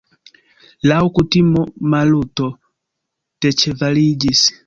Laŭ kutimo Maluto deĉevaliĝis.